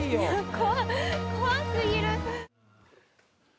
怖すぎる！」